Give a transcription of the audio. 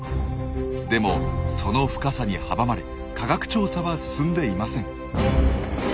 でもその深さに阻まれ科学調査は進んでいません。